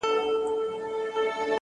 هره پوښتنه د کشف پیل دی،